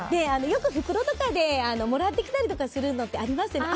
よく袋とかでもらってきたりするのってありますよね。